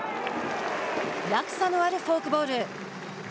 落差のあるフォークボール。